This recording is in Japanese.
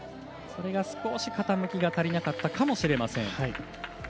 少し、傾きが足りなかったかもしれません。